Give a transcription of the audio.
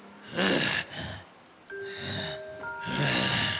ああ？